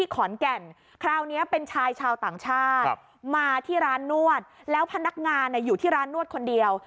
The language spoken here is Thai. ขอนแก่นคราวนี้เป็นชายชาวต่างชาติมาที่ร้านนวดแล้วพนักงานอยู่ที่ร้านนวดคนเดียว